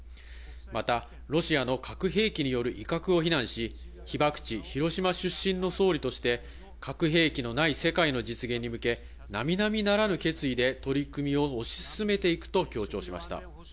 またロシアの核兵器による威嚇を非難し、被爆地・広島出身の総理として、核兵器のない世界の実現に向け、並々ならぬ決意で取り組みを推し進めていくと強調しました。